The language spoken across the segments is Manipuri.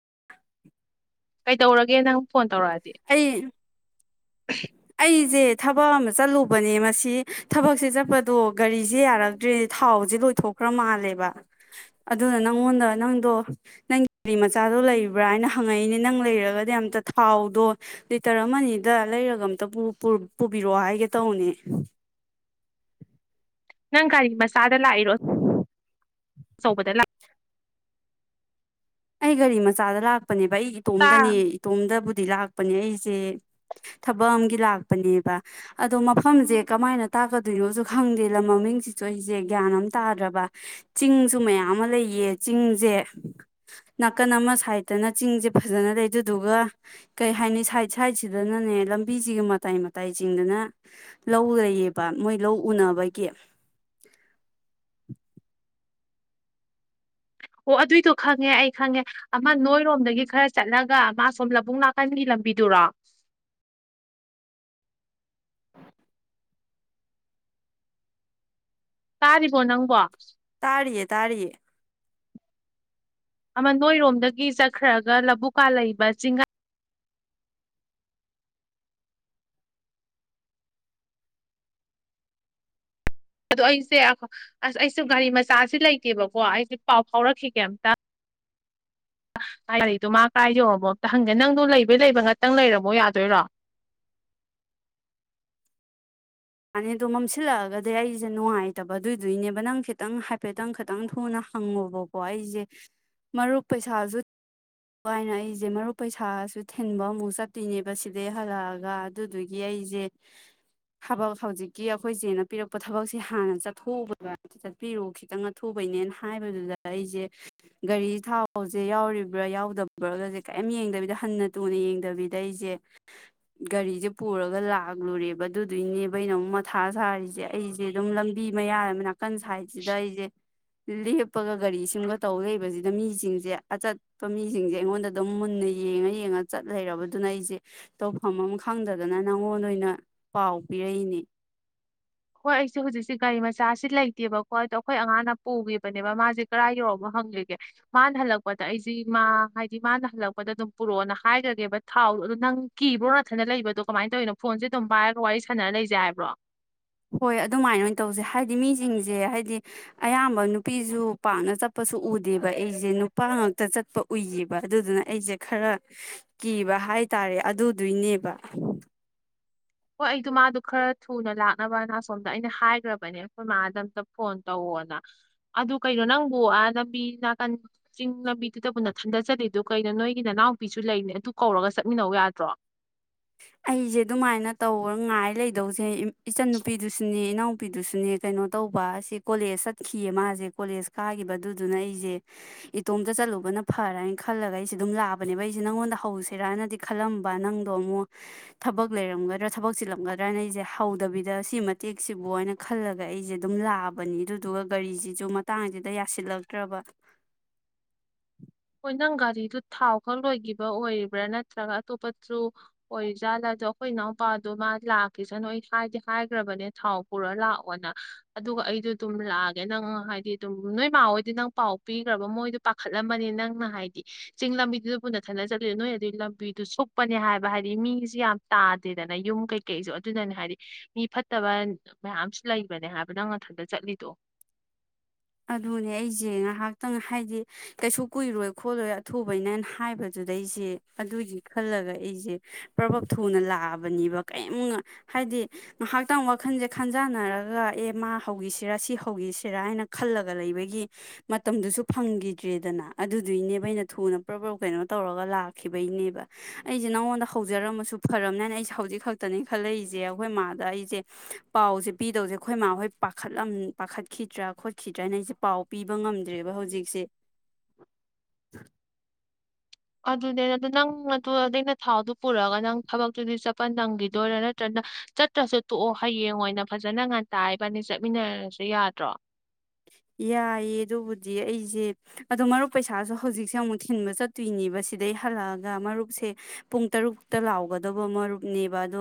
[inaudible] ꯀꯩꯇꯧꯔꯒꯦ ꯅꯪ ꯐꯣꯟ ꯇꯧꯔꯛ ꯑꯗꯤ ꯑꯩ ꯑꯩꯁꯦ ꯊꯕꯛ ꯑꯃ ꯆꯠꯂꯨꯕꯅꯦ ꯃꯁꯤ ꯊꯕꯛꯁꯦ ꯆꯠꯄꯗꯣ ꯒꯥꯔꯤꯁꯦ ꯌꯥꯔꯛꯇ꯭ꯔꯦ ꯊꯥꯎꯁꯦ ꯂꯣꯏꯊꯣꯛꯈ꯭ꯔ ꯃꯥꯜꯂꯦꯕ ꯑꯗꯨꯅ ꯅꯪꯉꯣꯟꯗ ꯅꯪꯗꯣ ꯅꯪꯒꯤ ꯒꯥꯔꯤ ꯃꯆꯥꯗꯣ ꯂꯩꯕ꯭ꯔꯥ ꯍꯥꯏꯅ ꯍꯪꯉꯛꯏꯅꯦ ꯅꯪ ꯂꯩꯔꯒꯗꯤ ꯑꯝꯇ ꯊꯥꯎꯗꯣ ꯂꯤꯇꯔ ꯑꯃ ꯑꯅꯤꯗ ꯂꯩꯔꯒ ꯑꯝꯇ ꯄꯨꯕꯤꯔꯛꯑꯣ ꯍꯥꯏꯒꯦ ꯇꯧꯅꯦ ꯅꯪ ꯒꯥꯔꯤ ꯃꯆꯥꯗ ꯂꯥꯛꯏꯔꯣ ꯑꯆꯧꯕꯗ ꯂꯥꯛ ꯑꯩ ꯒꯥꯔꯤ ꯃꯆꯥꯗ ꯂꯥꯛꯄ ꯄꯅꯦꯕ ꯑꯩ ꯂꯥꯛꯇ ꯏꯇꯣꯝꯗꯅꯦ ꯏꯇꯣꯝꯗꯕꯨ ꯗꯤ ꯂꯥꯛꯄꯅꯦ ꯑꯩꯁꯦ ꯊꯕꯛ ꯑꯃꯒꯤ ꯂꯥꯛꯄꯅꯦꯕ ꯑꯗꯣ ꯃꯐꯝꯁꯦ ꯀꯃꯥꯏꯅ ꯇꯥꯛꯀꯗꯣꯏꯅꯣꯁꯨ ꯈꯪꯗꯦ ꯂꯝ ꯃꯃꯤꯡꯁꯤꯁꯨ ꯑꯩꯁꯦ ꯒ꯭ꯌꯥꯟ ꯑꯃ ꯇꯥꯗ꯭ꯔꯕ ꯆꯤꯡꯁꯨ ꯃꯌꯥꯝ ꯑꯃ ꯂꯩꯌꯦ ꯆꯤꯡꯁꯦ ꯅꯥꯀꯟ ꯑꯃ ꯁꯥꯏꯠꯇꯅ ꯆꯤꯡꯁꯦ ꯐꯖꯅ ꯂꯩꯗꯨꯗꯨꯒ ꯀꯩ ꯍꯥꯏꯅꯤ ꯁꯥꯏꯠ ꯁꯥꯏꯠꯁꯤꯗꯅꯅꯦ ꯂꯝꯕꯤꯁꯤꯒꯤ ꯃꯇꯥꯏ ꯃꯇꯥꯏ ꯆꯤꯡꯗꯅ ꯂꯧ ꯂꯩꯌꯦꯕ ꯃꯣꯏ ꯂꯧ ꯎꯅꯕꯒꯤ ꯑꯣ ꯑꯗꯨꯏꯗꯣ ꯈꯪꯉꯦ ꯑꯩ ꯈꯪꯉꯦ ꯑꯃ ꯅꯣꯏꯔꯣꯝꯗꯒꯤ ꯈꯔ ꯆꯠꯂꯒ ꯃꯥ ꯁꯣꯝ ꯂꯕꯨꯛ ꯅꯥꯀꯟꯒꯤ ꯂꯝꯕꯤꯗꯨꯔꯣ ꯇꯥꯔꯤꯕꯣ ꯅꯪꯕꯣ ꯇꯥꯔꯤꯌꯦ ꯇꯥꯔꯦ ꯑꯃ ꯅꯣꯏꯔꯣꯝꯗꯒꯤ ꯆꯠꯈ꯭ꯔꯒ ꯂꯕꯨꯛꯀꯥ ꯂꯩꯕ ꯆꯤꯡꯒꯥꯏ ꯑꯗꯣ ꯑꯩꯁꯦ ꯑꯁ ꯑꯩꯁꯨ ꯒꯥꯔꯤ ꯃꯆꯥꯁꯤ ꯂꯩꯇꯦꯕꯀꯣ ꯑꯩꯁꯦ ꯄꯥꯎ ꯐꯥꯎꯔꯛꯈꯤꯒꯦ ꯑꯝꯇ ꯒꯥꯔꯤꯗꯣ ꯃꯥ ꯀꯥꯏꯗꯣꯕꯣ ꯍꯪꯒꯦ ꯅꯪꯗꯣ ꯂꯩꯕꯩ ꯂꯩꯕ ꯉꯥꯛꯇꯪ ꯂꯩꯔꯝꯃꯣ ꯌꯥꯗꯣꯏꯔꯣ ꯌꯥꯅꯤ ꯑꯗꯣ ꯃꯝꯁꯤꯜꯂꯛꯑꯒꯗꯤ ꯑꯩꯁꯦ ꯅꯨꯡꯉꯥꯏꯇꯕ ꯑꯗꯨꯏꯗꯣꯏꯅꯦꯕ ꯅꯪ ꯈꯤꯇꯪ ꯍꯥꯏꯐꯦꯠꯇꯪ ꯈꯤꯇꯪ ꯊꯨꯅ ꯍꯪꯉꯨꯕꯀꯣ ꯑꯩꯁꯦ ꯃꯔꯨꯞ ꯄꯩꯁꯥꯁꯨ ꯑꯗꯨꯥꯏꯅ ꯑꯩꯁꯦ ꯃꯔꯨꯞ ꯄꯩꯁꯥꯁꯨ ꯊꯤꯟꯕ ꯑꯃꯨꯛ ꯆꯠꯇꯣꯏꯅꯦꯕ ꯁꯤꯗꯩ ꯍꯜꯂꯛꯑꯒ ꯑꯗꯨꯗꯨꯒꯤ ꯑꯩꯁꯦ ꯊꯕꯛ ꯍꯧꯖꯤꯛꯀꯤ ꯑꯩꯈꯣꯏꯁꯦꯅ ꯄꯤꯔꯛꯄ ꯊꯕꯛꯁꯦ ꯍꯥꯟꯅ ꯆꯠꯊꯣꯛꯎꯕꯗ ꯆꯠꯄꯤꯔꯣ ꯈꯤꯇꯪꯒ ꯊꯨꯕꯩꯅꯦꯅ ꯍꯥꯏꯕꯗꯨꯗ ꯑꯩꯁꯦ ꯒꯥꯔꯤ ꯊꯥꯎꯁꯦ ꯌꯥꯎꯔꯤꯕ ꯌꯥꯎꯗꯕ꯭ꯔꯥꯒꯁꯦ ꯀꯔꯤꯝ ꯌꯦꯡꯗꯕꯤꯗ ꯍꯟꯅ ꯊꯨꯅ ꯌꯦꯡꯗꯕꯤꯗ ꯑꯩꯁꯦ ꯒꯥꯔꯤꯁꯦ ꯄꯨꯔꯒ ꯂꯥꯛꯂꯨꯔꯦꯕ ꯑꯗꯨꯗꯨꯏꯅꯦꯕ ꯑꯩꯅ ꯑꯃꯨꯛ ꯃꯊꯥ ꯁꯥꯔꯤꯁꯦ ꯑꯩꯁꯦ ꯑꯗꯨꯝ ꯂꯝꯕꯤ ꯃꯌꯥ ꯅꯥꯀꯟ ꯁꯥꯏꯠꯁꯤꯗ ꯑꯩꯁꯦ ꯂꯦꯞꯄꯒ ꯒꯥꯔꯤꯁꯤꯡꯒ ꯇꯧ ꯂꯩꯕꯁꯤꯗ ꯃꯤꯁꯤꯡꯁꯦ ꯑꯆꯠ ꯃꯤꯁꯤꯡꯁꯦ ꯑꯩꯉꯣꯟꯗ ꯑꯗꯨꯝ ꯃꯨꯟꯅ ꯌꯦꯡꯉ ꯌꯦꯡꯉ ꯆꯠ ꯂꯩꯔꯕꯗꯨꯅ ꯑꯩꯁꯦ ꯇꯧꯐꯝ ꯑꯃ ꯈꯪꯗꯗꯅ ꯅꯪꯉꯣꯟꯗ ꯑꯣꯏꯅ ꯄꯥꯎ ꯄꯤꯔꯛꯏꯅꯤ ꯍꯣꯏ ꯑꯩꯁꯦ ꯍꯧꯖꯤꯛꯁꯦ ꯒꯥꯔꯤ ꯃꯆꯥꯁꯤ ꯂꯩꯇꯦꯕꯀꯣ ꯑꯗꯣ ꯑꯩꯈꯣꯏ ꯑꯉꯥꯡꯅ ꯄꯨꯈꯤꯕꯅꯦꯕ ꯃꯥꯁꯦ ꯀꯔꯥꯏ ꯌꯧꯔꯛꯕ ꯍꯪꯒꯒꯦ ꯃꯥꯅ ꯍꯜꯂꯛꯄꯗ ꯑꯩꯁꯤꯦ ꯃꯥ ꯍꯥꯏꯗꯤ ꯃꯥꯅ ꯍꯜꯂꯛꯄꯗ ꯑꯗꯨꯝ ꯄꯨꯔꯛꯑꯣꯅ ꯍꯥꯏꯈ꯭ꯔꯒꯦꯕ ꯊꯥꯎꯗꯣ ꯑꯗꯨꯗꯣ ꯅꯪ ꯀꯤꯕ꯭ꯔꯣ ꯅꯠꯇꯅ ꯂꯩꯕꯗꯣ ꯀꯃꯥꯏꯅ ꯇꯧꯔꯤꯅꯣ ꯐꯣꯟꯁꯦ ꯑꯗꯨꯝ ꯄꯥꯏꯔꯒ ꯋꯥꯔꯤ ꯁꯥꯟꯅꯔ ꯂꯩꯁꯦ ꯍꯥꯏꯕ꯭ꯔꯣ ꯍꯣꯏ ꯑꯗꯨꯃꯥꯏꯅ ꯑꯣꯏꯅ ꯇꯧꯁꯦ ꯍꯥꯏꯗꯤ ꯃꯤꯁꯤꯡꯁꯦ ꯍꯥꯏꯗꯤ ꯑꯌꯥꯝꯕ ꯅꯨꯄꯤꯁꯨ ꯄꯥꯛꯅ ꯆꯠꯄꯁꯨ ꯎꯗꯦꯕ ꯑꯩꯁꯦ ꯅꯨꯄꯥ ꯉꯥꯛꯇ ꯆꯠꯄ ꯎꯏꯌꯦꯕ ꯑꯗꯨꯗꯨꯅ ꯑꯩꯁꯦ ꯈꯔ ꯀꯤꯕ ꯍꯥꯏ ꯇꯔꯦ ꯑꯗꯨꯗꯨꯏꯅꯦꯕ ꯍꯣꯏ ꯑꯩꯗꯣ ꯃꯥꯗꯣ ꯈꯔ ꯊꯨꯅ ꯂꯥꯛꯅꯕꯅ ꯑꯁꯣꯝꯗ ꯑꯩꯅ ꯍꯥꯏꯈ꯭ꯔꯕꯅꯦ ꯑꯩꯈꯣꯏ ꯃꯥꯗ ꯑꯝꯇ ꯐꯣꯟ ꯇꯧꯑꯣꯅ ꯑꯗꯨ ꯀꯩꯅꯣ ꯅꯪꯕꯨ ꯑ ꯂꯝꯕꯤ ꯅꯥꯀꯟ ꯆꯤꯡ ꯂꯝꯕꯤꯗꯨꯗꯕꯨ ꯅꯊꯟꯗ ꯆꯂꯤꯗꯨ ꯀꯩꯅꯣ ꯅꯣꯏꯒꯤ ꯅꯅꯥꯎꯄꯤꯁꯨ ꯂꯩꯅꯦ ꯑꯗꯨ ꯀꯧꯔꯒ ꯆꯠꯃꯤꯟꯅꯧ ꯌꯥꯗ꯭ꯔꯣ ꯑꯩꯁꯦ ꯑꯗꯨꯃꯥꯏꯅ ꯇꯧ ꯉꯥꯏ ꯂꯩꯗꯧꯁꯦ ꯏꯆꯟꯟꯅꯨꯄꯤꯗꯨꯁꯨꯅꯦ ꯏꯅꯥꯎꯄꯤꯗꯨꯁꯨꯅꯦ ꯀꯩꯅꯣ ꯇꯧꯕ ꯑꯁꯤ ꯀꯣꯂꯦꯖ ꯆꯠꯈꯤꯌꯦ ꯃꯥꯁꯦ ꯀꯣꯂꯦꯖ ꯀꯥꯈꯤꯕ ꯑꯗꯨꯗꯨꯅ ꯑꯩꯁꯦ ꯏꯇꯣꯝꯇ ꯆꯠꯂꯨꯕꯅ ꯐꯔꯅꯤ ꯈꯜꯂꯒ ꯑꯩꯁꯦ ꯑꯗꯨꯝ ꯂꯥꯛꯑꯕꯅꯦꯕ ꯑꯩꯁꯦ ꯅꯪꯉꯣꯟꯗ ꯍꯧꯁꯤꯔꯥꯅꯗꯤ ꯈꯜꯂꯝꯕ ꯅꯪꯗꯣ ꯑꯃꯨꯛ ꯊꯕꯛ ꯂꯩꯔꯝꯒꯗ꯭ꯔꯥ ꯊꯕꯛ ꯆꯤꯜꯂꯝꯒꯗ꯭ꯔꯅ ꯑꯩꯁꯦ ꯍꯧꯗꯕꯤꯗ ꯁꯤ ꯃꯇꯦꯛꯁꯤꯕꯨ ꯍꯥꯏꯅ ꯈꯜꯂꯒ ꯑꯩꯁꯦ ꯑꯗꯨꯝ ꯂꯥꯛꯑꯕꯅꯤ ꯑꯗꯨꯗꯨꯒ ꯒꯥꯔꯤꯁꯤꯁꯨ ꯃꯇꯥꯡꯁꯤꯗ ꯌꯥꯁꯤꯜꯂꯛꯇ꯭ꯔꯕ ꯍꯣꯏ ꯅꯪ ꯒꯥꯔꯤꯗꯨ ꯊꯥꯎ ꯈꯛ ꯂꯣꯏꯈꯤꯕ ꯑꯣꯏꯔꯤꯕ꯭ꯔꯥ ꯅꯠꯇ꯭ꯔꯒ ꯑꯇꯣꯞꯄꯖꯨ ꯑꯣꯏꯔꯤ ꯖꯥꯠꯂꯥ ꯑꯗꯣ ꯑꯩꯈꯣꯏ ꯏꯅꯥꯎꯄꯥꯗꯣ ꯃꯥ ꯂꯥꯛꯀꯁꯥꯅꯣ ꯑꯩ ꯍꯥꯏꯗꯤ ꯍꯥꯏꯈ꯭ꯔꯕꯅꯦ ꯊꯥꯎ ꯄꯨꯔ ꯂꯥꯛꯑꯣꯅ ꯑꯗꯨꯒ ꯑꯩꯗꯣ ꯑꯗꯨꯝ ꯂꯥꯛꯑꯒꯦ ꯅꯪ ꯍꯥꯏꯗꯤ ꯑꯗꯨꯝ ꯅꯣꯏ ꯃꯥꯍꯣꯏꯗꯤ ꯅꯪ ꯄꯥꯎ ꯄꯤꯈ꯭ꯔꯕ ꯃꯣꯏꯗ ꯄꯥꯈꯠꯂꯝꯃꯅꯤ ꯅꯪ ꯅꯪꯅ ꯍꯥꯏꯗꯤ ꯆꯤꯡ ꯂꯝꯕꯤꯗꯨꯗꯄꯨ ꯅꯊꯟꯗ ꯆꯠꯂꯤꯗ ꯅꯣꯏ ꯑꯗꯨꯒꯤ ꯂꯝꯕꯤꯗꯨ ꯁꯨꯛꯄꯅꯦ ꯍꯥꯏꯕ ꯍꯥꯏꯗꯤ ꯃꯤꯁꯨ ꯌꯥꯝ ꯇꯥꯗꯦꯗꯅ ꯌꯨꯝ ꯀꯩꯀꯩꯁꯨ ꯑꯗꯨꯗꯅꯦ ꯍꯥꯏꯗꯤ ꯃꯤ ꯐꯠꯇꯕ ꯃꯌꯥꯝꯁꯨ ꯂꯩꯕꯅꯦ ꯍꯥꯏꯕ ꯅꯪ ꯅꯊꯟꯗ ꯆꯠꯂꯤꯗꯣ ꯑꯗꯨꯅꯦ ꯑꯩꯁꯦ ꯉꯥꯏꯍꯥꯛꯇꯪ ꯍꯥꯏꯗꯤ ꯀꯩꯁꯨ ꯀꯨꯏꯔꯣꯏ ꯈꯣꯠꯂꯣꯏ ꯑꯊꯨꯕꯩꯅꯦꯅ ꯍꯥꯏꯕꯗꯨꯗ ꯑꯩꯁꯦ ꯑꯗꯨꯒꯤ ꯈꯜꯂꯒ ꯑꯩꯁꯦ ꯄ꯭ꯔꯕꯞ ꯊꯨꯅ ꯂꯥꯛꯑꯕꯅꯦꯕ ꯀꯔꯤꯝ ꯍꯥꯏꯗꯤ ꯉꯥꯏꯍꯥꯛꯇꯪ ꯋꯥꯈꯜꯁꯦ ꯈꯟꯖꯥꯟꯅꯔꯒ ꯑꯦ ꯃꯥ ꯍꯧꯈꯤꯁꯤꯔ ꯁꯤ ꯍꯧꯈꯤꯁꯤꯔꯥ ꯍꯥꯏꯅ ꯈꯜꯂꯒ ꯂꯩꯕꯒꯤ ꯃꯇꯝꯗꯨꯁꯨ ꯐꯪꯈꯤꯗ꯭ꯔꯦꯗꯅ ꯑꯗꯨꯗꯨꯒꯤꯅꯦꯕꯩꯅ ꯊꯨꯅ ꯄ꯭ꯔ ꯀꯩꯅꯣ ꯇꯧꯔꯒ ꯂꯥꯛꯈꯤꯕꯒꯤꯅꯦꯕ ꯑꯩꯁꯦ ꯅꯉꯣꯟꯗ ꯍꯧꯖꯔꯝꯃꯁꯨ ꯐꯝꯅꯦꯅ ꯑꯩꯁꯦ ꯍꯧꯖꯤꯛ ꯈꯛꯇꯅꯦ ꯈꯜꯂꯛꯏꯁꯦ ꯑꯩꯈꯣꯏ ꯃꯥꯗ ꯑꯩꯁꯦ ꯄꯥꯎꯁꯦ ꯄꯤꯗꯧꯁꯦ ꯑꯩꯈꯣꯏ ꯃꯥ ꯍꯣꯏ ꯄꯥꯈꯠ ꯄꯥꯈꯠꯈꯤꯗ꯭ꯔꯥ ꯈꯤꯗ꯭ꯔꯅ ꯑꯩꯁꯦ ꯄꯥꯎ ꯄꯤꯕ ꯉꯝꯗ꯭ꯔꯦꯕ ꯍꯧꯖꯤꯛꯁꯦ [inaudible] ꯑꯗꯨꯅꯦ ꯅꯦ ꯑꯗꯨ ꯅꯪ ꯑꯗꯨ ꯑꯗꯩꯅ ꯊꯥꯎꯗꯨ ꯄꯨꯔꯛꯒ ꯅꯪ ꯊꯕꯛꯇꯨꯗꯤ ꯆꯠꯄ ꯅꯪꯈꯤꯗꯣꯏꯔꯥ ꯅꯠꯇ꯭ꯔꯒꯅ ꯆꯠꯇ꯭ꯔꯁꯨ ꯇꯣꯛꯑꯣ ꯍꯌꯦꯡ ꯑꯣꯏꯅ ꯐꯖꯅ ꯉꯥꯟꯇꯥꯏꯕꯅꯤ ꯆꯠꯃꯤꯟꯅꯔꯁꯨ ꯌꯥꯗ꯭ꯔꯣ ꯌꯥꯏꯌꯦ ꯑꯗꯨꯕꯨꯗꯤ ꯑꯩꯁꯦ ꯑꯗꯣ ꯃꯔꯨꯞ ꯄꯩꯁꯥꯁꯨ ꯍꯧꯖꯤꯛꯁꯦ ꯑꯃꯨꯛ ꯊꯤꯟꯕ ꯆꯠꯇꯣꯏꯅꯦꯕ ꯁꯤꯗꯩ ꯍꯜꯂꯛꯑꯒ ꯃꯔꯨꯞꯁꯦ ꯄꯨꯡ ꯇꯔꯨꯛꯇ ꯂꯥꯎꯒꯗꯧꯕ ꯃꯔꯨꯞꯅꯦꯕ ꯑꯗꯣ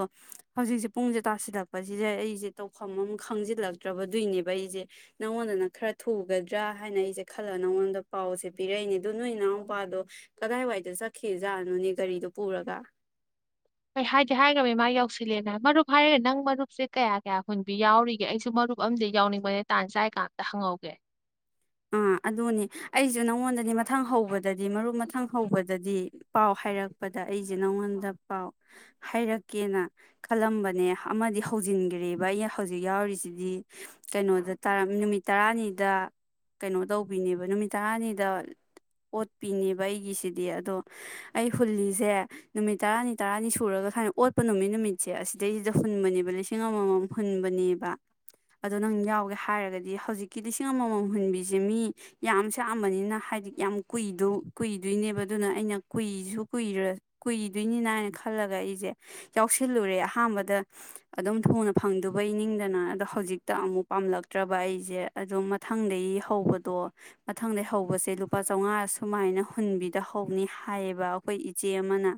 ꯍꯧꯖꯤꯛꯁꯦ ꯄꯨꯡꯁꯦ ꯇꯥꯁꯤꯜꯂꯛꯄꯁꯤꯗ ꯑꯩꯁꯦ ꯇꯧꯐꯝ ꯑꯃ ꯈꯪꯖꯤꯜꯂꯛꯇ꯭ꯔꯕꯗꯨꯏꯅꯦꯕ ꯑꯩꯁꯦ ꯅꯪꯉꯣꯟꯗ ꯑꯗꯨꯅ ꯈꯔ ꯊꯨꯒꯗ꯭ꯔꯥ ꯍꯥꯏꯅ ꯑꯩꯁꯦ ꯈꯜꯂꯒ ꯅꯪꯉꯣꯟꯗ ꯄꯥꯎꯁꯦ ꯄꯤꯔꯛꯏꯅꯦ ꯑꯗꯨ ꯅꯣꯏ ꯏꯅꯥꯎꯄꯥꯗꯣ ꯀꯗꯥꯏꯋꯥꯏꯗ ꯆꯠꯈꯤꯖꯥꯠꯅꯣꯅꯦ ꯒꯥꯔꯤꯗꯣ ꯄꯨꯔꯒ ꯑꯩ ꯍꯥꯏꯗꯤ ꯍꯥꯏꯈ꯭ꯔꯕꯩ ꯃꯥ ꯌꯧꯁꯤꯜꯂꯦꯅ ꯃꯔꯨꯞ ꯍꯥꯏꯔꯒꯦ ꯅꯪ ꯃꯔꯨꯞꯁꯦ ꯀꯌꯥ ꯀꯌꯥ ꯍꯨꯟꯕꯤ ꯌꯥꯎꯔꯤꯒꯦ ꯑꯩꯁꯨ ꯃꯔꯨꯞ ꯑ ꯌꯥꯎꯅꯤꯡꯕꯅꯦ ꯇꯥꯟ ꯆꯥꯏ ꯀ ꯑꯝꯇ ꯍꯪꯍꯧꯒꯦ ꯑꯥ ꯑꯗꯨꯅꯦ ꯑꯩꯁꯨ ꯅꯪꯉꯣꯟꯗꯗꯤ ꯃꯊꯪ ꯍꯧꯕꯗꯗꯤ ꯃꯔꯨꯞ ꯃꯊꯪ ꯍꯧꯕꯗꯗꯤ ꯄꯥꯎ ꯍꯥꯏꯔꯛꯄꯗ ꯑꯩꯁꯦ ꯅꯪꯉꯣꯟꯗ ꯄꯥꯎ ꯍꯥꯏꯔꯛꯀꯦꯅ ꯈꯜꯂꯝꯕꯅꯦ ꯑꯃꯗꯤ ꯍꯧꯖꯤꯟꯈ꯭ꯔꯦꯕ ꯑ ꯍꯧꯖꯤꯛ ꯌꯥꯎꯔꯤꯁꯤꯗꯤ ꯀꯩꯅꯣꯗ ꯅꯨꯃꯤꯠ ꯇꯔꯥꯅꯤꯗ ꯀꯩꯅꯣ ꯇꯧꯕꯤꯅꯦꯕ ꯅꯨꯃꯤꯠ ꯇꯔꯥꯅꯤꯗ ꯑꯣꯠꯄꯤꯅꯦꯕ ꯑꯩꯒꯤꯁꯤꯗꯤ ꯑꯗꯣ ꯑꯩ ꯍꯨꯜꯂꯤꯁꯦ ꯅꯨꯃꯤꯠ ꯇꯔꯥꯅꯤ ꯇꯔꯥꯅꯤ ꯁꯨꯔꯒ ꯁꯨꯃꯥꯏꯅ ꯑꯣꯠꯄ ꯅꯨꯃꯤꯠ ꯅꯨꯃꯤꯠꯁꯦ ꯑꯁꯤꯗꯩꯁꯤꯗ ꯍꯨꯟꯕꯅꯦꯕ ꯂꯤꯁꯤꯡ ꯑꯃꯃꯝ ꯍꯨꯟꯕꯅꯦꯕ ꯑꯗꯣ ꯅꯪ ꯌꯥꯎꯒꯦ ꯍꯥꯏꯔꯒꯗꯤ ꯍꯧꯖꯤꯛꯀꯤ ꯂꯤꯁꯤꯡ ꯑꯃꯃꯝ ꯨꯍꯨꯟꯕꯤꯁꯦ ꯃꯤ ꯌꯥꯝ ꯁꯥꯝꯕꯅꯤꯅ ꯍꯥꯏꯗꯤ ꯌꯥꯝ ꯀꯨꯏꯗꯣꯏꯅꯦꯕ ꯑꯗꯨꯅ ꯑꯩꯅ ꯀꯨꯏꯁꯨ ꯀꯨꯏꯗꯣꯏꯅꯤꯅ ꯍꯥꯏꯅ ꯈꯜꯂꯒ ꯑꯩꯁꯦ ꯌꯥꯎꯁꯤꯜꯂꯨꯔꯦ ꯑꯍꯥꯟꯕꯗ ꯑꯗꯨꯝ ꯊꯨꯅ ꯐꯪꯗꯕꯩꯅꯤꯡꯗꯅ ꯑꯗꯣ ꯍꯧꯖꯤꯛꯇ ꯑꯃꯨꯛ ꯄꯥꯝꯂꯛꯇ꯭ꯔꯕ ꯑꯩꯁꯦ ꯑꯗꯨꯝ ꯃ ꯃꯊꯪꯗꯒꯤ ꯍꯧꯕꯗꯣ ꯃꯊꯪꯗꯩ ꯍꯧꯕꯁꯦ ꯂꯨꯄꯥ ꯆꯥꯝꯃꯉꯥ ꯁꯨꯃꯥꯏꯅ ꯍꯨꯟꯕꯤꯗꯍꯧꯕꯅꯤ ꯍꯥꯏꯌꯦꯕ ꯑꯩꯈꯣꯏ ꯏꯆꯦ ꯑꯃꯅ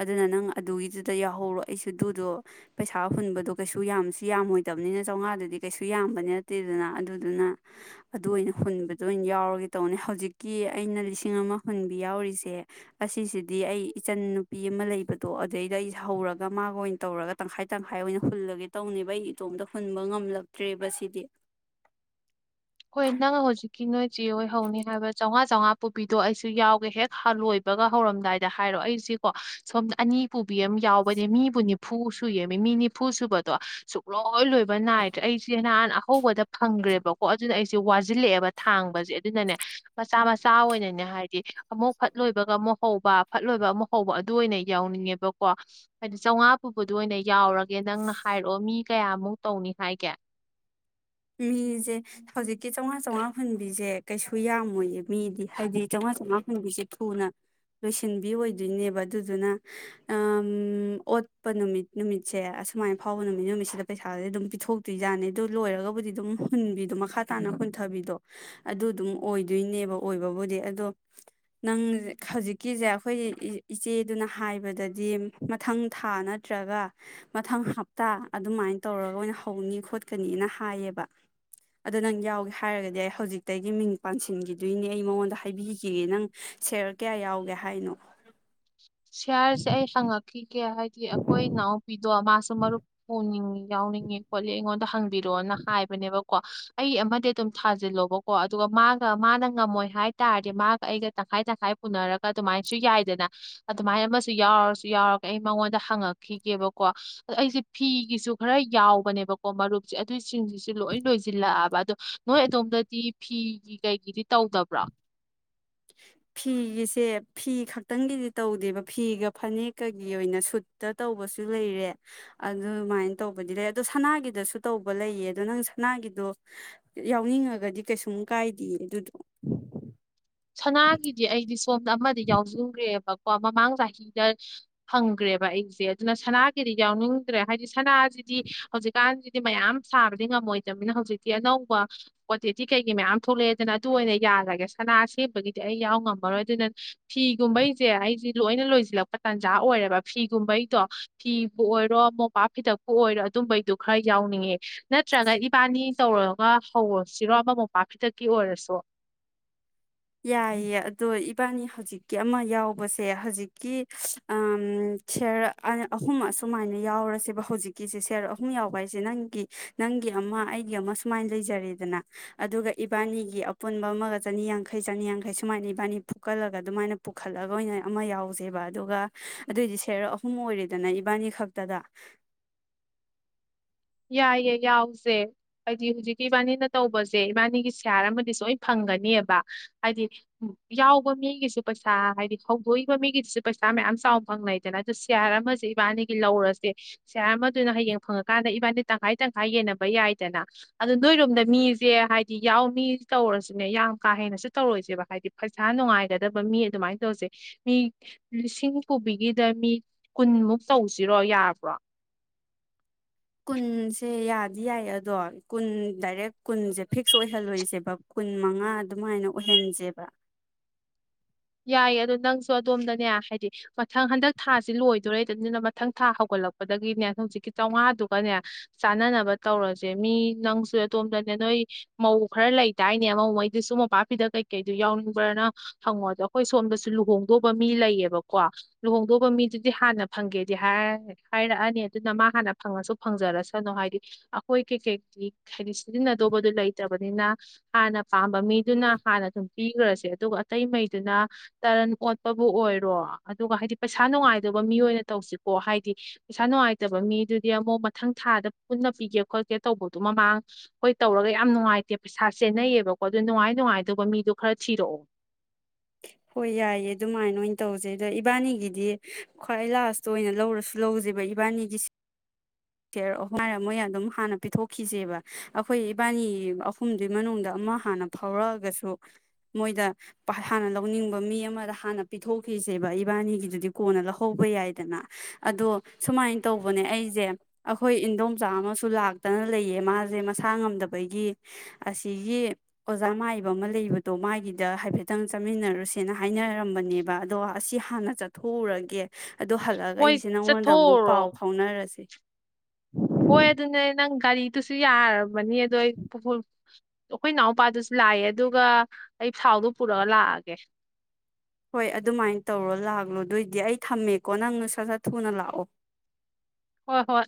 ꯑꯗꯨꯅ ꯅꯪ ꯑꯗꯨꯒꯤꯗꯨꯗ ꯌꯥꯎꯍꯧꯔꯣ ꯑꯩꯁꯨ ꯑꯗꯨꯗꯣ ꯄꯩꯁꯥ ꯍꯨꯟꯕꯗꯣ ꯀꯩꯁꯨ ꯌꯥꯝꯁꯨ ꯌꯥꯝꯃꯣꯏꯗꯕꯅꯤꯅ ꯆꯥꯝꯃꯉꯥꯗꯨꯗꯤ ꯀꯩꯁꯨ ꯌꯥꯝꯕꯗꯤ ꯅꯠꯇꯦꯗꯅ ꯑꯗꯨꯗꯨꯅ ꯑꯗꯨ ꯑꯣꯏꯅ ꯍꯨꯟꯕꯗ ꯑꯣꯏꯅ ꯌꯥꯎꯔꯒꯦ ꯇꯧꯅꯦ ꯍꯧꯖꯤꯛꯀꯤ ꯑꯩꯅ ꯂꯤꯁꯤꯡ ꯑꯃ ꯍꯨꯟꯕꯤ ꯌꯥꯎꯔꯤꯁꯦ ꯑꯁꯤꯁꯤꯗꯤ ꯑꯩ ꯏꯆꯟ ꯅꯨꯄꯤ ꯑꯃ ꯂꯩꯕꯗꯣ ꯑꯗꯨꯗꯩꯗ ꯑꯩꯁꯦ ꯍꯧꯔꯒ ꯃꯥꯒ ꯑꯣꯏꯅ ꯇꯧꯔꯒ ꯇꯪꯈꯥꯏ ꯇꯪꯈꯥꯏ ꯑꯣꯏꯅ ꯍꯨꯜꯂꯒꯦ ꯇꯧꯅꯦꯕ ꯑꯩ ꯏꯇꯣꯝꯇ ꯍꯨꯟꯕ ꯉꯝꯂꯛꯇ꯭ꯔꯦꯕ ꯁꯤꯗꯤ ꯍꯣꯏ ꯅꯉ ꯍꯧꯖꯤꯛ ꯀꯤ ꯅꯣꯏ ꯆꯦꯣꯏ ꯍꯧꯅꯤ ꯍꯥꯏꯕ ꯆꯥꯝꯉꯥ ꯆꯥꯝꯃꯉꯥ ꯄꯨꯕꯤꯗꯣ ꯑꯩꯁꯨ ꯌꯥꯎꯒꯦ ꯍꯦꯛ ꯍꯥꯂꯣꯏꯕꯒ ꯍꯧꯔꯝꯗꯥꯏꯗ ꯍꯥꯏꯔꯣ ꯑꯩꯁꯤꯀꯣ ꯁꯣꯝꯗ ꯑꯅꯤ ꯄꯨꯕꯤ ꯑꯃ ꯌꯥꯎꯕꯅꯦ ꯃꯤꯕꯨ ꯅꯤꯐꯨ ꯁꯨꯌꯦꯃꯤ ꯃꯤ ꯅꯤꯐꯨ ꯁꯨꯕꯗꯣ ꯁꯨꯛꯂꯧ ꯑꯣꯣꯏ ꯂꯣꯏꯕ ꯅꯥꯏꯗ꯭ꯔꯦ ꯑꯩꯁꯦ ꯅꯍꯥꯟ ꯑꯍꯧꯕꯗ ꯐꯪꯈ꯭ꯔꯦꯕꯀꯣ ꯀꯣ ꯑꯗꯨꯅ ꯑꯩꯁꯦ ꯋꯥꯁꯤꯜꯂꯛꯑꯦꯕ ꯊꯥꯡꯕꯁꯦ ꯑꯗꯨꯅꯅꯦ ꯃꯆꯥ ꯃꯆꯥ ꯑꯣꯏꯅꯅꯦ ꯍꯥꯏꯗꯤ ꯑꯃꯨꯛ ꯐꯠ ꯂꯣꯏꯕꯒ ꯑꯃꯨꯛ ꯍꯧꯕ ꯐꯠ ꯂꯣꯏꯕ ꯑꯃꯨꯛ ꯍꯧꯕ ꯑꯗꯨ ꯑꯣꯏꯅ ꯌꯥꯎꯅꯤꯡꯉꯦꯕꯀꯣ ꯍꯥꯏꯗꯤ ꯆꯥꯝꯃꯉꯥ ꯄꯨꯕꯗ ꯑꯣꯏꯅ ꯌꯥꯎꯔꯒꯦ ꯅꯪꯅ ꯍꯥꯏꯔꯛꯑꯣ ꯃꯤ ꯀꯌꯥꯃꯨꯛ ꯇꯧꯅꯤ ꯍꯥꯏꯒꯦ ꯃꯤꯁꯦ ꯍꯧꯖꯤꯛꯀꯤ ꯆꯥꯝꯃꯉꯥ ꯆꯥꯝꯃꯉꯥ ꯐꯨꯟꯕꯤꯁꯦ ꯀꯩꯁꯨ ꯌꯥꯝꯃꯣꯏꯌꯦ ꯃꯤꯗꯤ ꯍꯥꯏꯗꯤ ꯆꯥꯝꯃꯉꯥ ꯆꯥꯝꯃꯉꯥ ꯐꯨꯟꯕꯤꯁꯦ ꯊꯨꯅ ꯂꯣꯏꯁꯤꯟꯕꯤ ꯑꯣꯏꯗꯣꯏꯅꯦꯕ ꯑꯗꯨꯗꯨꯅ ꯑꯣꯠꯄ ꯅꯨꯃꯤꯠ ꯅꯨꯃꯤꯠꯁꯦ ꯑꯁꯨꯃꯥꯏꯅ ꯐꯥꯎꯕ ꯅꯨꯃꯤꯠ ꯅꯨꯃꯤꯠꯁꯤꯗ ꯄꯩꯁꯥꯁꯦ ꯑꯗꯨꯝ ꯄꯤꯊꯣꯛꯇꯣꯏꯖꯥꯅꯤ ꯑꯗꯨ ꯂꯣꯏꯔꯒꯕꯨ ꯑꯗꯨꯝ ꯍꯨꯟꯕꯤꯗꯣ ꯃꯈꯥ ꯇꯥꯅ ꯍꯨꯟꯊꯕꯤꯗꯣ ꯑꯗꯨꯗꯨꯝ ꯑꯣꯏꯗꯣꯏꯅꯦꯕ ꯑꯣꯏꯕꯕꯨꯗꯤ ꯑꯗꯣ ꯅꯪ ꯍꯧꯖꯤꯛꯀꯤꯁꯦ ꯑꯩꯈꯣꯏ ꯏꯆꯦꯗꯨꯅ ꯍꯥꯏꯕꯗꯗꯤ ꯃꯊꯪ ꯊꯥ ꯅꯠꯇ꯭ꯔꯒ ꯃꯊꯪ ꯍꯞꯇꯥ ꯑꯗꯨꯃꯥꯏꯅ ꯇꯧꯔꯒ ꯑꯣꯏꯅ ꯍꯧꯅꯤ ꯈꯣꯠꯀꯅꯤꯅ ꯍꯥꯏꯌꯦꯕ ꯑꯗꯣ ꯅꯪ ꯌꯥꯎꯒꯦ ꯍꯥꯏꯔꯒꯗꯤ ꯑꯩ ꯍꯧꯖꯤꯛꯇꯒꯤ ꯃꯤꯡ ꯄꯥꯟꯁꯤꯟꯈꯤꯗꯣꯏꯅꯦ ꯑꯩ ꯃꯉꯣꯟꯗ ꯍꯥꯏꯕꯤꯈꯤꯒꯦ ꯅꯪ ꯁꯦꯌꯔ ꯀꯌꯥ ꯌꯥꯎꯒꯦ ꯍꯥꯏꯅꯣ ꯁꯤꯦꯌꯥꯔꯁꯦ ꯑꯩ ꯁꯪꯉ ꯀꯦ ꯍꯥꯏꯗꯤ ꯑꯩꯈꯣꯏ ꯏꯅꯥꯎ ꯄꯤꯗꯣ ꯃꯥ ꯁꯨꯃꯔꯨ ꯐ ꯎꯝ ꯌꯥꯥꯎꯅꯤꯡ ꯀꯣꯦꯉꯣꯟ ꯇꯪ ꯕꯤꯔꯣꯅ ꯍꯥꯏꯕꯅꯦꯕ ꯀꯣ ꯑꯩ ꯑꯃꯗꯤ ꯑꯗꯨꯝ ꯊꯥꯖꯤꯜꯂꯣꯕꯀꯣ ꯑꯗꯨꯒ ꯃꯥꯒ ꯃꯥꯅ ꯉꯝꯃꯣꯏ ꯍꯥꯏ ꯇꯥꯔꯗꯤ ꯃꯥꯒ ꯑꯩꯒ ꯇꯪꯈꯥꯏ ꯇꯪꯈꯥꯏ ꯄꯨꯅꯔꯒ ꯑꯗꯨꯃꯥꯏꯅꯁꯨ ꯌꯥꯏꯗꯅ ꯑꯗꯨꯃꯥꯏꯅ ꯑꯃꯁꯨ ꯌꯥꯎꯔꯁꯨ ꯌꯥꯎꯔꯒ ꯑꯩ ꯃꯉꯣꯟꯗ ꯍꯪꯉꯛꯈꯤꯒꯦꯕꯀꯣ ꯑꯩꯁꯦ ꯐꯤꯒꯤꯁꯨ ꯈꯔ ꯌꯥꯎꯕꯅꯦꯕꯀꯣ ꯃꯔꯨꯞꯁꯦ ꯑꯗꯨꯏꯁꯤꯡꯁꯤꯁꯨ ꯂꯣꯏ ꯂꯣꯏꯁꯤꯜꯂꯛꯑꯕ ꯑꯗꯣ ꯅꯣꯏ ꯑꯗꯣꯝꯗꯗꯤ ꯐꯤꯒꯤ ꯀꯩꯒꯤꯗꯤ ꯇꯧꯗꯕ꯭ꯔꯥ ꯐꯤꯒꯤꯁꯦ ꯐꯤ ꯈꯛꯇꯪꯒꯤꯗꯤ ꯇꯧꯗꯦꯕ ꯐꯤꯒ ꯐꯅꯦꯛꯀꯒꯤ ꯑꯣꯏꯅ ꯁꯨꯠꯇ ꯇꯧꯕꯁꯨ ꯂꯩꯔꯦ ꯑꯗꯨꯃꯥꯏꯅ ꯇꯧꯕꯗꯤ ꯂꯩ ꯑꯗꯣ ꯁꯅꯥꯒꯤꯗꯁꯨ ꯇꯧꯕ ꯂꯩꯌꯦ ꯑꯗꯣ ꯅꯪ ꯁꯅꯥꯒꯤꯗꯣ ꯌꯥꯎꯅꯤꯡꯉꯒꯗꯤ ꯀꯩꯁꯨꯝ ꯀꯥꯏꯗꯦꯌꯦ ꯑꯗꯨꯗꯣ ꯁꯅꯥꯒꯤꯗꯤ ꯑꯩꯗꯤ ꯐꯣꯝꯗ ꯑꯃꯗꯤ ꯌꯥꯎꯖꯈꯨꯔꯦꯕ ꯀꯣ ꯃꯃꯥꯡ ꯆꯍꯤꯗ ꯐꯪꯈ꯭ꯔꯦꯕ ꯑꯩꯁꯦ ꯑꯗꯨꯅ ꯁꯅꯥꯒꯤꯗꯤ ꯌꯥꯎꯅꯤꯡꯗ꯭ꯔꯦ ꯍꯥꯏꯗꯤ ꯁꯅꯥꯁꯤꯗꯤ ꯍꯧꯖꯤꯛꯀꯥꯟꯁꯤꯗꯤ ꯃꯌꯥꯝ ꯁꯥꯕꯗꯤ ꯉꯝꯃꯣꯏꯗꯅꯤꯅ ꯍꯧꯖꯤꯛꯇꯤ ꯑꯅꯧꯕ ꯀ꯭ꯋꯥꯟꯇꯤꯇꯤ ꯀꯩꯀꯩ ꯃꯌꯥꯝ ꯊꯣꯛꯂꯛꯑꯦꯗꯅ ꯑꯗꯨ ꯑꯣꯏꯅ ꯌꯥꯔꯒꯦꯁꯤ ꯁꯦꯝꯕꯒꯤꯗꯤ ꯑꯩ ꯌꯥꯎ ꯉꯝꯃꯔꯣꯏ ꯑꯗꯨꯅ ꯐꯤꯒꯨꯝꯕꯩꯁꯦ ꯑꯩꯁꯦ ꯂꯣꯏꯅ ꯂꯣꯏꯁꯤꯜꯂꯛꯄ ꯇꯥꯟꯖꯥ ꯑꯣꯏꯔꯦꯕ ꯐꯤꯒꯨꯝꯕꯩꯗꯣ ꯐꯤꯕꯨ ꯑꯣꯏꯔꯣ ꯃꯣꯝꯄꯥꯛ ꯐꯤꯗꯛꯄꯨ ꯑꯣꯏꯔꯣ ꯑꯗꯨꯝꯕꯩꯗꯨꯣ ꯈꯔ ꯌꯥꯎꯅꯤꯡꯉꯦ ꯅꯠꯇ꯭ꯔꯒ ꯏꯕꯥꯅꯤ ꯇꯧꯔꯒ ꯍꯧꯔꯁꯤꯔꯣ ꯑꯃꯃ ꯃꯄꯥ ꯈꯤꯇꯛꯀꯤ ꯑꯣꯏꯔꯁꯨ ꯌꯥꯏꯌꯦ ꯑꯗꯣ ꯏꯕꯥꯅꯤ ꯍꯧꯖꯤꯛꯀꯤ ꯑꯃ ꯌꯥꯎꯕꯁꯦ ꯍꯧꯖꯤꯛꯀꯤ ꯁꯦꯔ ꯑꯍꯨꯝ ꯑꯁꯨꯃꯥꯏꯅ ꯌꯥꯎꯔꯁꯦꯕ ꯍꯧꯖꯤꯛꯀꯤꯁꯦ ꯁꯦꯔ ꯑꯍꯨꯝ ꯌꯥꯎꯕ ꯍꯥꯏꯁꯦ ꯅꯪꯒꯤ ꯅꯪꯒꯤ ꯑꯃ ꯑꯩꯒꯤ ꯑꯃ ꯁꯨꯃꯥꯏꯅ ꯂꯩꯖꯔꯦꯗꯅ ꯑꯗꯨꯒ ꯏꯕꯥꯅꯤꯒꯤ ꯑꯄꯨꯟꯕ ꯑꯃꯒ ꯆꯅꯤꯌꯥꯡꯈꯩ ꯌꯥꯡꯈꯩ ꯆꯅꯤꯌꯥꯡꯈꯩ ꯁꯨꯃꯥꯏꯅ ꯏꯕꯥꯅꯤ ꯐꯨꯀꯠꯂꯒ ꯑꯗꯨꯃꯥꯏꯅ ꯄꯨꯈꯠꯂꯒ ꯑꯣꯏꯅ ꯑꯃ ꯌꯥꯎꯖꯦꯕ ꯑꯗꯨꯒ ꯑꯗꯨꯑꯣꯏꯗꯤ ꯁꯦꯔ ꯑꯍꯨꯝ ꯑꯣꯏꯔꯦꯗꯅ ꯏꯕꯥꯅꯤ ꯈꯛꯇꯗ ꯌꯥꯏꯌꯦ ꯌꯥꯎꯁꯦ ꯍꯥꯏꯗꯤ ꯍꯧꯖꯤꯛꯀꯤ ꯏꯕꯥꯅꯤꯅ ꯇꯧꯕꯁꯦ ꯏꯕꯥꯅꯤꯒꯤ ꯁꯤꯌꯥꯔ ꯑꯃꯗꯤ ꯁꯣꯏꯅ ꯐꯪꯒꯅꯦꯕ ꯍꯥꯏꯗꯤ ꯌꯥꯎꯕ ꯃꯤꯒꯤꯁꯨ ꯄꯩꯁꯥ ꯍꯥꯏꯗꯤ ꯍꯧꯗꯣꯛꯏꯕ ꯃꯤꯒꯤꯗꯨꯁꯨ ꯄꯩꯁꯥ ꯃꯌꯥꯝ ꯆꯥꯎꯅ ꯐꯪꯅꯩꯗꯅ ꯑꯗꯨ ꯁꯤꯌꯥꯔ ꯑꯃꯁꯦ ꯏꯕꯥꯅꯤꯒꯤ ꯂꯧꯔꯁꯦ ꯁꯤꯌꯥꯔ ꯑꯃꯗꯨꯅ ꯍꯌꯦꯡ ꯐꯪꯉꯀꯥꯟꯗ ꯃꯗꯤ ꯇꯪꯈꯥꯏ ꯇꯪꯈꯥꯏ ꯌꯦꯟꯅꯕ ꯌꯥꯏꯗꯅ ꯑꯗꯨꯣ ꯅꯣꯏꯔꯣꯝꯗ ꯃꯤꯁꯦ ꯍꯥꯏꯗꯤ ꯌꯥꯎ ꯃꯤ ꯇꯧꯔꯁꯤꯅꯦ ꯌꯥꯝ ꯀꯥ ꯍꯦꯟꯅꯁꯨ ꯇꯧꯔꯣꯏꯁꯦꯕ ꯍꯥꯏꯗꯤ ꯄꯩꯁꯥ ꯅꯨꯡꯉꯥꯏꯒꯗꯕ ꯃꯤ ꯑꯗꯨꯃꯥꯏꯅ ꯇꯧꯁꯦ ꯃꯤ ꯂꯤꯁꯤꯡ ꯀꯕꯤꯒꯤꯗ ꯃꯤ ꯀꯨꯟꯃꯨꯛ ꯇꯧꯁꯤꯔꯣ ꯌꯥꯕ꯭ꯔꯣ ꯀꯨꯟꯁꯦ ꯌꯥꯗꯤ ꯌꯥꯏ ꯑꯗꯣ ꯀꯨꯟ ꯗꯥꯏꯔꯦꯛ ꯀꯨꯟꯁꯦ ꯐꯤꯛꯁ ꯑꯣꯏꯍꯜꯂꯣꯏꯁꯦꯕ ꯀꯨꯟ ꯃꯉꯥ ꯑꯗꯨꯃꯥꯏꯅ ꯑꯣꯏꯍꯟꯁꯦꯕ ꯌꯥꯏꯌꯦ ꯑꯗꯣ ꯅꯪꯁꯨ ꯑꯗꯣꯝꯗꯅꯦ ꯍꯥꯏꯗꯤ ꯃꯊꯪ ꯍꯟꯗꯛ ꯊꯥꯁꯤ ꯂꯣꯏꯗꯣꯔꯦꯗꯅꯤꯅ ꯃꯊꯪ ꯊꯥ ꯍꯧꯒꯠꯂꯛꯄꯗꯒꯤꯅꯦ ꯍꯧꯖꯤꯛꯀꯤ ꯆꯥꯝꯃꯉꯥꯗꯨꯒꯅꯦ ꯆꯥꯅꯅꯕ ꯇꯧꯔꯁꯦ ꯃꯤ ꯅꯪꯁꯨ ꯑꯗꯣꯝꯗꯅꯦ ꯅꯣꯏ ꯃꯧ ꯈꯔ ꯂꯩꯗꯥꯅꯦ ꯃꯧꯉꯩꯗꯨ ꯁ ꯃꯄꯥꯛꯄꯤꯗ ꯀꯩꯀꯩꯗꯨꯣ ꯌꯥꯎꯅꯤꯡꯕ꯭ꯔꯅ ꯍꯪꯉꯣꯗꯣ ꯑꯩꯈꯣꯏ ꯁꯣꯝꯗꯁꯨ ꯂꯨꯍꯣꯡꯗꯧꯕ ꯃꯤ ꯂꯩꯌꯦꯕꯀꯣ ꯂꯨꯍꯣꯡꯗꯧꯕ ꯃꯤꯗꯨꯗꯤ ꯍꯥꯟꯅ ꯐꯪꯒꯦꯗꯤ ꯍꯥꯏꯔꯛꯑꯅꯤ ꯑꯗꯨꯅ ꯃꯥ ꯍꯥꯟꯅ ꯐꯪꯉꯁꯨ ꯐꯪꯖꯔꯁꯅꯨ ꯍꯥꯏꯗꯤ ꯑꯩꯈꯣꯏ ꯀꯩ ꯀꯩ ꯍꯥꯏꯗꯤ ꯁꯤꯖꯤꯟꯅꯗꯧꯕꯗꯨ ꯂꯩꯇꯕꯅꯤꯅ ꯍꯥꯟꯅ ꯄꯥꯝꯕ ꯃꯤꯗꯨꯅ ꯍꯥꯟꯅ ꯑꯗꯨꯝ ꯄꯤꯈ꯭ꯔꯁꯦ ꯑꯗꯨꯒ ꯑꯇꯩ ꯃꯩꯗꯨꯅ ꯇꯔꯟ ꯑꯣꯠꯄꯕꯨ ꯑꯣꯏꯔꯣ ꯑꯗꯨꯒ ꯍꯥꯏꯗꯤ ꯄꯩꯁꯥ ꯅꯨꯡꯉꯥꯏꯗꯕ ꯃꯤ ꯑꯣꯏꯅ ꯇꯧꯁꯤꯀꯣ ꯍꯥꯏꯗꯤ ꯄꯩꯁꯥ ꯅꯨꯡꯉꯥꯏꯇꯕ ꯃꯤꯗꯨꯗꯤ ꯑꯃꯨꯛ ꯃꯊꯪ ꯊꯥꯗ ꯄꯨꯟꯅ ꯄꯤꯒꯦ ꯈꯣꯠꯀꯦ ꯇꯧꯕꯗꯨꯣ ꯃꯃꯥꯡ ꯑꯩꯈꯣꯏ ꯇꯧꯔꯒ ꯌꯥꯝ ꯅꯨꯡꯉꯥꯏꯇꯦ ꯄꯩꯁꯥ ꯆꯦꯟꯅꯩꯌꯦꯕꯀꯣ ꯑꯗꯨ ꯅꯨꯡꯉꯥꯏ ꯅꯨꯡꯉꯥꯏꯗꯕ ꯃꯤꯗꯨꯣ ꯈꯔ ꯊꯤꯔꯛꯑꯣ ꯍꯣꯏ ꯌꯥꯏꯌꯦ ꯑꯗꯨꯃꯥꯏꯅ ꯑꯣꯏꯅ ꯇꯧꯖꯩ ꯑꯗ ꯏꯕꯥꯅꯤꯒꯤꯗꯤ ꯈ꯭ꯋꯥꯏ ꯂꯥꯁꯇ ꯑꯣꯏꯅ ꯂꯧꯔꯁꯨ ꯂꯧꯖꯦꯕ ꯏꯕꯥꯅꯤꯒꯤꯁꯤ ꯊꯦꯔꯛꯑꯣ ꯉꯔ ꯃꯣꯏ ꯑꯗꯨꯝ ꯍꯥꯟꯅ ꯄꯤꯊꯣꯛꯈꯤꯁꯦꯕ ꯑꯩꯈꯣꯏ ꯏꯕꯥꯅꯤ ꯑꯍꯨꯝꯗꯨꯏ ꯃꯅꯨꯡꯗ ꯑꯃ ꯍꯥꯟꯅ ꯐꯥꯎꯔꯛꯑꯒꯁꯨ ꯃꯣꯏꯗ ꯍꯥꯟꯅ ꯂꯧꯅꯤꯡꯕ ꯃꯤ ꯑꯃꯗ ꯍꯥꯟꯅ ꯄꯤꯊꯣꯛꯈꯤꯁꯦꯕ ꯏꯕꯥꯅꯤꯒꯤꯗꯨꯗꯤ ꯀꯣꯟꯅ ꯂꯧꯍꯧꯕ ꯌꯥꯏꯗꯅ ꯑꯗꯣ ꯁꯨꯃꯥꯏꯅ ꯇꯧꯕꯅꯦ ꯑꯩꯁꯦ ꯑꯩꯈꯣꯏ ꯏꯟꯗꯣꯝꯆꯥ ꯑꯃꯁꯨ ꯂꯥꯛꯇꯅ ꯂꯩꯌꯦ ꯃꯥꯁꯦ ꯃꯁꯥ ꯉꯝꯗꯕꯒꯤ ꯑꯁꯤꯒꯤ ꯑꯣꯖꯥ ꯃꯥꯏꯕ ꯑꯃ ꯂꯩꯕꯗꯣ ꯃꯥꯒꯤꯗ ꯍꯥꯏꯐꯦꯠꯇꯪ ꯆꯥꯃꯤꯟꯅꯔꯨꯁꯦꯅ ꯍꯥꯏꯅꯔꯝꯕꯅꯦꯕ ꯑꯗꯣ ꯑꯁꯤ ꯍꯥꯟꯅ ꯆꯠꯊꯣꯛꯎꯔꯒꯦ ꯑꯗ ꯍꯜꯂꯛꯑꯒ ꯍꯣꯏ ꯑꯩꯁꯦ ꯅꯪꯉꯣꯟꯗ ꯑꯃꯨꯛ ꯆꯠꯊꯣꯛꯎꯔꯣ ꯄꯥꯎ ꯐꯥꯎꯅꯔꯁꯦ ꯑꯣꯏ ꯑꯗꯨꯅꯦ ꯅꯪ ꯒꯥꯔꯤꯗꯨꯨꯁꯨ ꯌꯥꯔꯕ ꯃꯅꯤꯌꯦꯗ ꯑꯩ ꯑꯩꯈꯣꯏ ꯏꯅꯥꯎꯄꯥꯗꯨꯁꯨ ꯂꯥꯛꯑꯦ ꯑꯗꯨꯒ ꯑꯩ ꯁꯥꯎꯗꯣ ꯄꯨꯔꯒ ꯂꯥꯛꯑꯒꯦ ꯍꯣꯏ ꯑꯗꯨꯃꯥꯏꯅ ꯇꯧꯔꯣ ꯂꯥꯛꯂꯣ ꯑꯗꯨ ꯑꯣꯏꯗꯤ ꯑꯩ ꯊꯝꯃꯦꯀꯣ ꯅꯪꯅ ꯁꯥ ꯁ ꯊꯨꯅ ꯂꯥꯛꯑꯣ ꯍꯣꯏ ꯍꯣꯏ